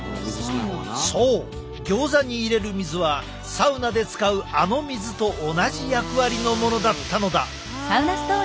そうギョーザに入れる水はサウナで使うあの水と同じ役割のものだったのだ。